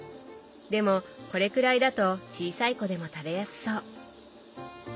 でもこれくらいだと小さい子でも食べやすそう。